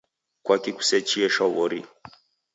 Kwaki kusechie shwaw'ori?